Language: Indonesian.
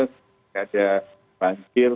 tidak ada banjir